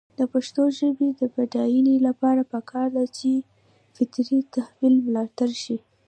د پښتو ژبې د بډاینې لپاره پکار ده چې فطري تحول ملاتړ شي.